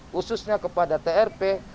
khususnya kepada trp